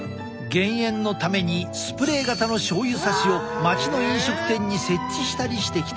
減塩のためにスプレー型の醤油さしを町の飲食店に設置したりしてきた。